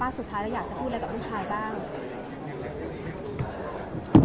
สุดท้ายแล้วอยากจะพูดอะไรกับลูกชายบ้าง